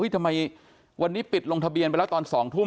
ทำไมวันนี้ปิดลงทะเบียนไปแล้วตอน๒ทุ่ม